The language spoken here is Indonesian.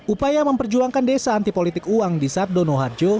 upaya memperjuangkan desa antipolitik uang di sardono harjo